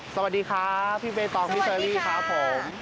สวัสดีครับพี่เบตองพี่เชอรี่ครับผม